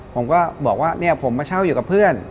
ผมก็บอกว่าเนี่ยผมมาเช่าอยู่กับเพื่อน